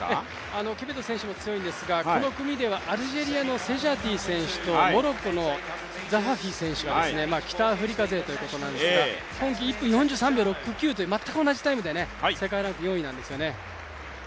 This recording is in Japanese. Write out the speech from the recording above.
キベト選手も強いんですが、この組では、アルジェリアのセジャティ選手とモロッコのザハフィ選手が北アフリカ勢ということですが今季１分４３秒６９という全く同じタイムで世界ランク４位なんですよね。